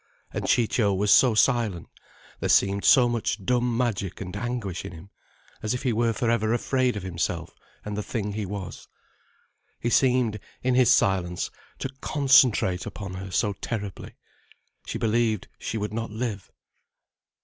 And Ciccio was so silent, there seemed so much dumb magic and anguish in him, as if he were for ever afraid of himself and the thing he was. He seemed, in his silence, to concentrate upon her so terribly. She believed she would not live.